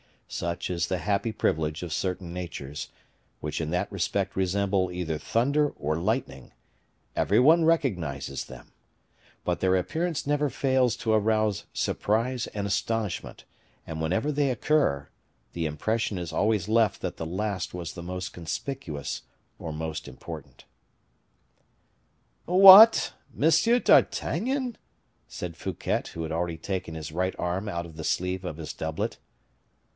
Such is the happy privilege of certain natures, which in that respect resemble either thunder or lightning; every one recognizes them; but their appearance never fails to arouse surprise and astonishment, and whenever they occur, the impression is always left that the last was the most conspicuous or most important. "What! M. d'Artagnan?" said Fouquet, who had already taken his right arm out of the sleeve of his doublet.